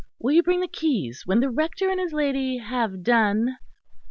"Will you bring the keys when the Rector and his lady have done?"